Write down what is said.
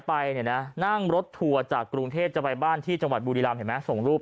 ไปนั่งรถทัวร์จากกรุงเทศจะไปบ้านที่จังหวัดบุรีรามส่งรูป